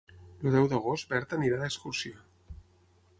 El deu d'agost na Berta irà d'excursió.